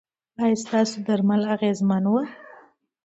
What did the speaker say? ایا ستاسو درمل اغیزمن وو؟